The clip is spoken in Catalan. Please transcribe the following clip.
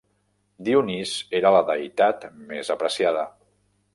Dionís era la deïtat més apreciada.